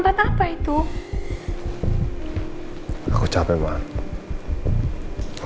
men inappropriate menjadi satu